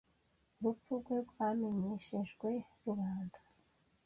Urupfu rwe rwamenyeshejwe rubanda.